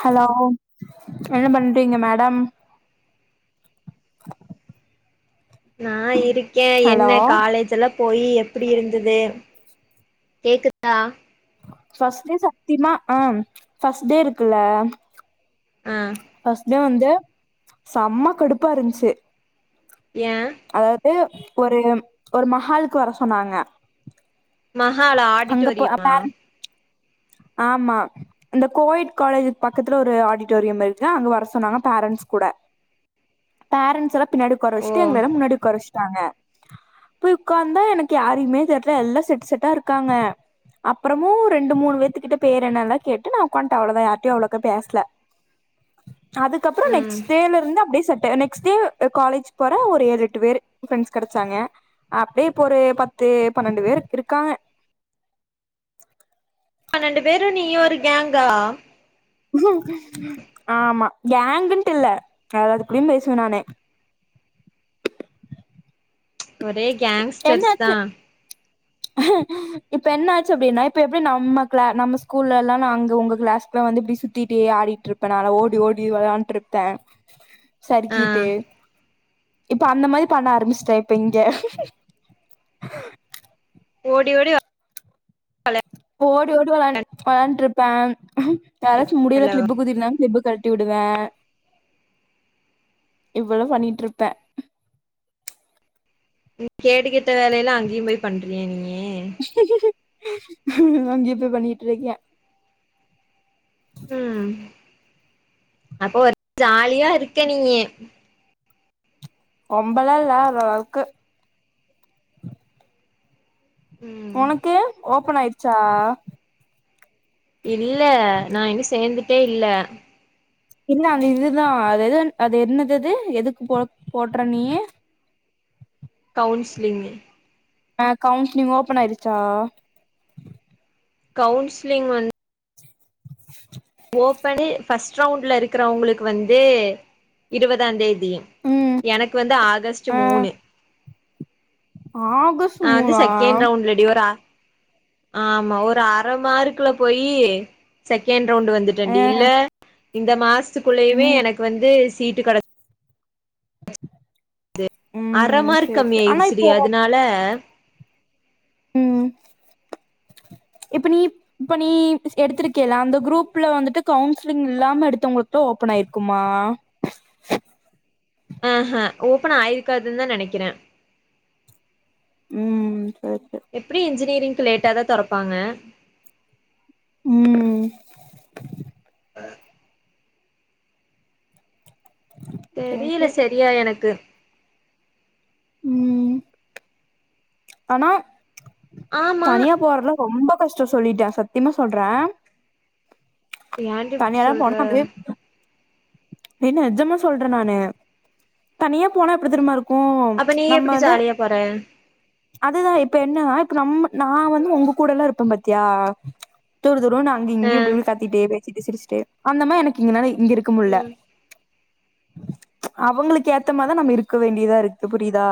hello என்ன பண்றீங்க madam நா இருக்கே ஹலோ என்ன காலேஜ்ல்லா போயி எப்டி இருந்தது கேக்குதா பஸ்ட் டே சத்தியமா ஆ ஃபர்ஸ்ட் டே இருக்குல்ல ஆ ஃபஸ்ட் டே வந்து செம்ம கடுப்பா இருந்ச்சு ஏ அதாவது ஒரு ஒரு மஹாலுக்கு வர சொன்னாங்க மஹாலா அங்க போ ஆடிட்டோரியமா பேர ஆமா அந்த கோயட் காலேஜ் பக்கத்துல ஒரு ஆடிட்டோரியம் இருக்குன்னா அங்க வர சொன்னாங்க பேரண்ட்ஸ் கூட பேரண்ட்ஸ் எல்லாம் பின்னாடி உக்கார ஓ வெச்சிட்டு எங்கலேல்லா முன்னாடி உக்கார வெச்சுட்டாங்க போய் உட்காந்தா எனக்கு யாரையுமே தெரில எல்லா செட்டு செட்டா இருக்காங்க அப்பறமும் ரெண்டு மூணு பேத்துகிட்ட பேர் என்னெல்லா கேட்டு நா உக்காண்ட்டே அவளதா யாரிட்டையும் அவ்ளோக்கா பேசல அதுக்கப்றோ ம் நெக்ஸ்ட் டேல இருந்து அப்படியே செட் நெக்ஸ்ட் டே காலேஜ் போ ஒரு ஏழு எட்டு பேர் ப்ரெண்ட்ஸ் கெடைச்சாங்க அப்டியே இப்ப ஒரு பத்து பன்னெண்டு பேரு இருக்காங்க பன்னெண்டு பேரும் நீயும் ஒரு கேங்கா ஆமா கேங்ன்ட்டு இல்ல எல்லாருகூடையும் பேசுவே நானு ஒரே கேங்ஸ்டர்ஸ் தா என்னாச்சு இப்ப என்ன ஆச்சு அப்டின்னா இப்ப எப்டி நம்ம கிளா நம்ம ஸ்கூல்லல்லா நா அங்க உங்க கிளாஸ்குள்ள வந்து எப்டி சுத் தித்திட்டே ஆடிட்டு இருப்பே நா ஓடி ஓடி வெளாண்ட்டு இருப்பே ஆ சருக்கீட்டு இப்ப அந்த மாரி பண்ண ஆரம்பிச்சிட்டே இப்ப இங்க ஓடி ஓடி ஓடி ஓடி வெளாண் வெளாண்ட்ருப்பே யாராச்சு முடியில ஹலோ கிளிப்பு குத்திருந்தா கிளிப்பு கள ட்டி விடுவே இப்டி தா பண்ணிட்டு இருப்பே நீ கேடுகெட்ட வேலையல்லா அங்கயும் போய் பண்றியா நீ அங்க இப்ப பண்ணிட்டு இருக்கே ம் அப்போ ஒரு ஜாலியா இருக்க நீயு ரொம்பல்லா இல்ல ஒரு அளவுக்கு ம் ஒனக்கு ஓபன் ஆயிடுச்சா இல்ல நா இங்க சேந்துட்டே இல்ல என்ன அந்த இதுதா அது எது அது என்னது அது எதுக் போ போட்ற நீயு கவுன்சிலிங் ஆ கவுன்சிலிங் ஓப்பன் ஆயிருச்சா கவுன்சிலிங் வந் ஓப்பனு ஃபஸ்ட் ரவுண்ட்ல இருக்குறவங்களுக்கு வந்து இருவதாந்தே தி ம் எனக்கு வந்து ஆகஸ்ட்டு ஆ மூணு ஆகஸ்ட் நா வந்து மூணா செகண்ட் ரவுண்ட்ல டிவர ஆமா ஒரு அர மார்க்குல போயி செகண்ட் ரவுண்டு ஆ வந்துட்டன் டி இல்ல இந்த மாசத்துக்குள்ளயுமே ம் எனக்கு வந்து சீட்டு கெட அர ம் மார்க் சேரி கம்மி சேரி ஆனா ஆயிடுச்சு இப்போ அதுனால ம் இப்ப நீ இப்ப நீ பிஸ் எடுத்துருக்கேல அந்த குரூப்ல வந்துட்டு கவுன்சிலிங் இல்லாம எடுத்தவங்களுக்கு ஓப்பன் ஆயிருக்குமா ஆ ஹ ஓப்பன் ஆயிருக்காதுன் தா நெனைக்கறே ம் சரி சரி எப்டியு இன்ஜினியரிங்க்கு லேட்டா தா தொறப்பாங்க ம் சரி தெரில சரி சரியா எனக்கு ம் ஆனா ஆமா தனியா போறல ரொம்ப கஷ்டோ சொல்லிட்டே சத்திமா சொல்றே ஏன்டி இப்டி தனியாலா போனா சொல்ற அப்டே ஏ நெஜமா சொல்றே நானு தனியா போனா எப்டி தெரிமா இருக் அப்ப நீ எப்டி சாலியா போற அதுதா இப்ப என்னனா இப்ப நம்ம நா வந்து உங்க கூடலா இருப்பே பத்தியா தூர தூரோ நா அங் அ இங்கயு இப்ப [inaudible] கத்திட்டே பேசிட்டு சிரிச்சிட்டே அந்த மா எனக்கு இங்கனால இங்க இருக்க முல்ல ம் அவங்களுக்கு ஏத்த மாரி தா நம்ம இருக்க வேண்டியதா இருக்கு புரிதா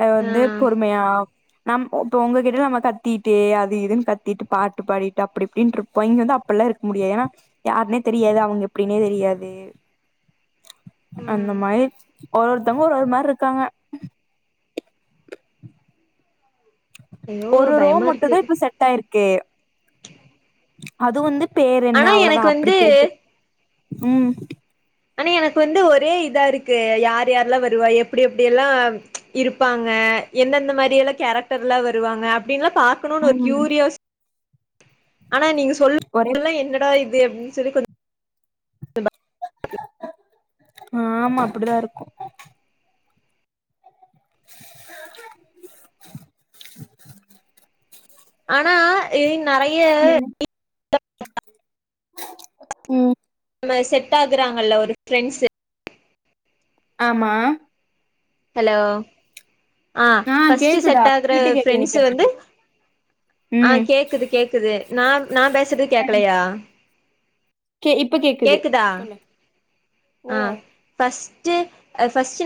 அ ஆ வந்து பொறுமையா நம் இப்ப உங்ககிட்ட நம்ம கத்திட்டே அது இதுன் கத்திட்டு பாட்டு பாடிட்டு அப்டி இப்டின்ருப் போ இங்க வந்து அப்பெல்லா இருக்க முடியாது ஏனா யாருனே தெரியாது அவங்க எப்டினே தெரியாது அந்த ம் மாரி ஒரு ஒருத்தங்க ஒரு ஒரு மாரி இருக்காங்க ஐயோ ஒரு ரோ பயமா இருக்கு மட்டுந்தா இப்ப செட் ஆயிருக்கே அது வந்து பேரு என்ன ஆனா அவ்ளதா எனக்கு அப்டி வந்து கேட்டு ம் ஆனா எனக்கு வந்து ஒரே இதா இருக்கு யார் யாரெல்லா வருவா எப்டி எப்டி எல்லா இருப்பாங்க எந்தெந்த மாரியெல்லா கேரக்டர்லா வருவாங்க அப்டின்லா பாக்குணுன் ஒரு ம் க்யூரியாஸ் ஆனா நீங்க சொ ஒரே எல்லா என்னடா இது அப்டின் சொல்லி கொஞ்சோ ஆமா அப்டிதா இருக்கு ஆனா இ நறைய ம் ம் நம்ம செட் ஆகுறாங்கல்ல ஒரு ஃப்ரெண்ட்ஸு ஆமா ஹலோ ஆ ஃபர்ஸ்ட் கேக்குதா செட் ஆகுற விட்டு விட்டு கேக்குது நீ ஃப்ரண்ட்ஸ் வந்து பேசுறது ஆ ம் கேக்குது கேக்குது நா நா பேசுறது கேக்கலையா கே இப்ப கேக்குது கேக்குதா சொல்லு ஆ [unintelligible] ஃபர்ஸ்ட் அது ஃபர்ஸ்ட்